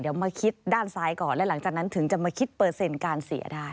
เดี๋ยวมาคิดด้านซ้ายก่อนและหลังจากนั้นถึงจะมาคิดเปอร์เซ็นต์การเสียได้